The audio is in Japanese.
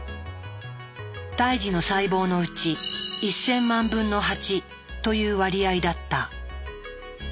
胎児の細胞のうち１，０００万分の８という割合だった。